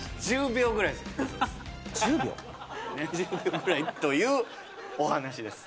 １０秒ぐらいというお話です